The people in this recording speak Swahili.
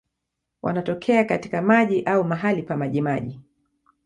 Wanatokea katika maji au mahali pa majimaji.